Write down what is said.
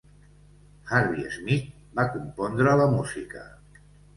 Harvey Schmidt va compondre la música.